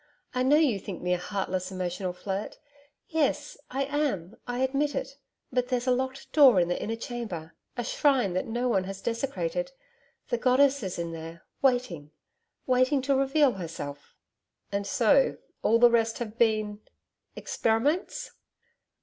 'I know you think me a heartless, emotional flirt. Yes, I am. I admit it. But there's a locked door in the inner chamber a shrine that no one has desecrated. The Goddess is there, waiting waiting to reveal herself.' 'And so all the rest have been experiments?'